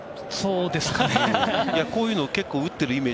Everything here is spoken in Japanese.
こういうのを結構打っているイメージ。